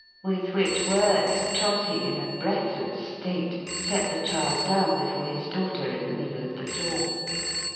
With which words Trotty, in a breathless state, set the child down before his daughter in the middle of the floor.